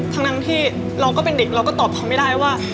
ทั้งที่เราก็เป็นเด็กเราก็ตอบเขาไม่ได้ว่า